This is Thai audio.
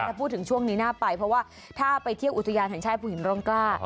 ถ้าพูดถึงช่วงนี้น่าไปเพราะว่าถ้าไปเที่ยวอุทยานแห่งชาติภูหินร่องกล้า